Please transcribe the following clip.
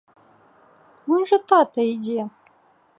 Вунь жа тата ідзе!